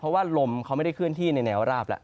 เพราะว่าลมเขาไม่ได้เคลื่อนที่ในแนวราบแล้ว